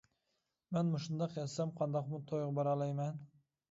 مەن مۇشۇنداق ياتسام قانداقمۇ تويغا بارالايمەن.